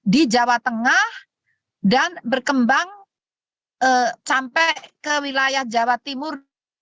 di jawa tengah dan berkembang sampai ke wilayah jawa timur